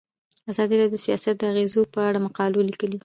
ازادي راډیو د سیاست د اغیزو په اړه مقالو لیکلي.